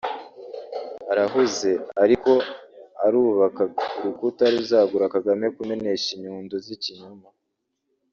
Arahuze ariho arubaka urukuta ruzagora Kagame kumenesha inyundo z’ikinyoma